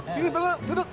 sini duduk duduk